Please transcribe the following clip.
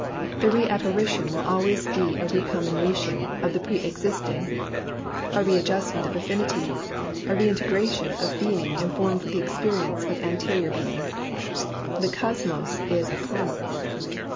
The reapparition will always be a recombination of the preexisting, a read justment of affinities, a reintegration of being informed with the experience of anterior be ing. The Cosmos is a Karma.